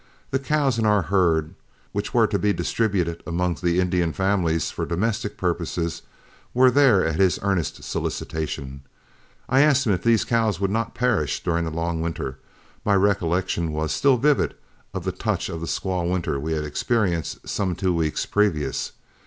The cows in our herd, which were to be distributed amongst the Indian families for domestic purposes, were there at his earnest solicitation. I asked him if these cows would not perish during the long winter my recollection was still vivid of the touch of squaw winter we had experienced some two weeks previous.